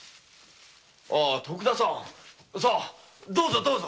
あ徳田さんさどうぞどうぞ。